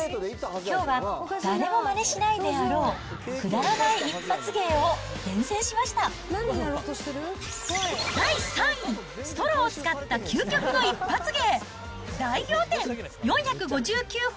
きょうは誰もまねしないであろう、くだらない一発芸を厳選しまし第３位、ストローを使った究極の一発芸！